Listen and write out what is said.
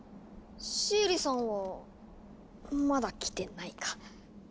シエリさんはまだ来てないか。